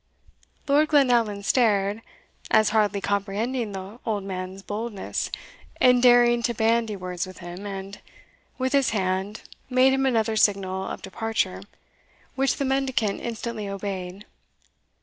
Lord Glenallan stared, as hardly comprehending the old man's boldness in daring to bandy words with him, and, with his hand, made him another signal of departure, which the mendicant instantly obeyed.